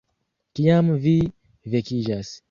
- Kiam vi vekiĝas